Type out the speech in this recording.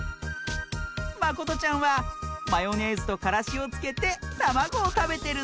まことちゃんはマヨネーズとからしをつけてたまごをたべてるんだって！